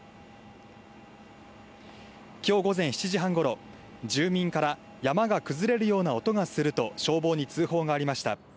きょう午前７時半ごろ、住民から、山が崩れるような音がすると、消防に通報がありました。